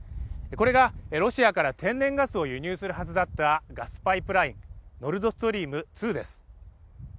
これがロシアから天然ガスを輸入するはずだったガスパイプラインノルドストリーム２です